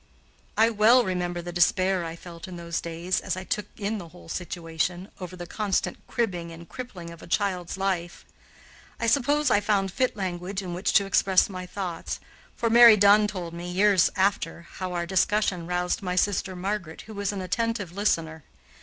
I well remember the despair I felt in those years, as I took in the whole situation, over the constant cribbing and crippling of a child's life. I suppose I found fit language in which to express my thoughts, for Mary Dunn told me, years after, how our discussion roused my sister Margaret, who was an attentive listener.